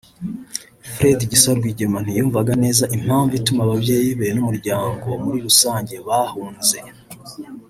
Fred Gisa Rwigema ntiyumvaga neza impamvu ituma ababyeyi be n’umuryango muri rusange bahunze